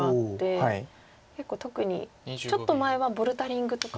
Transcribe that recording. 特にちょっと前はボルダリングとか。